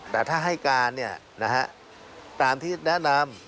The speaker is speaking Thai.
แต่ถ้าให้การตามที่แนะนำ